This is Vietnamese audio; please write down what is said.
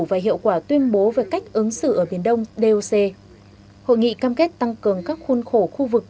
và hiệu quả tuyên bố về cách ứng xử ở biển đông doc hội nghị cam kết tăng cường các khuôn khổ khu vực